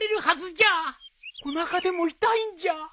おなかでも痛いんじゃ